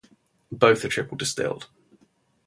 Both are triple-distilled.